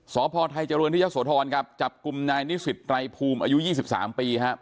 สพไทยเจริญที่ยะโสธรครับจับกลุ่มนายนิสิตไรภูมิอายุ๒๓ปีครับ